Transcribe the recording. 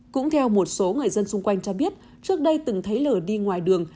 cũng theo một số người dân xung quanh cho biết trước đây từng thấy lửa đi ngoài đường